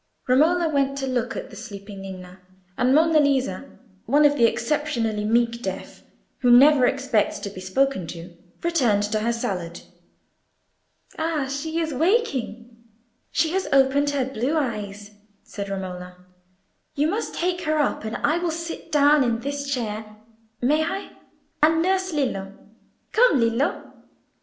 Romola went to look at the sleeping Ninna, and Monna Lisa, one of the exceptionally meek deaf, who never expect to be spoken to, returned to her salad. "Ah! she is waking: she has opened her blue eyes," said Romola. "You must take her up, and I will sit down in this chair—may I?—and nurse Lillo. Come, Lillo!"